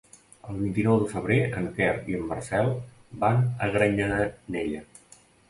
El vint-i-nou de febrer en Quer i en Marcel van a Granyanella.